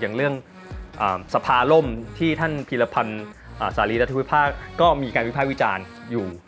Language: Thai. อย่างเรื่องสภาร่มที่ท่านพีรพันธ์สารีรัฐวิพากษ์ก็มีการวิภาควิจารณ์อยู่